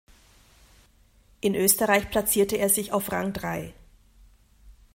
In Österreich platzierte er sich auf Rang Drei.